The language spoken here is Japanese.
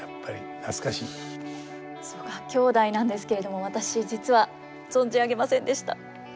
曽我兄弟なんですけれども私実は存じ上げませんでした。